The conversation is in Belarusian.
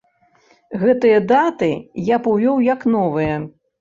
Гэтыя даты я б увёў як новыя.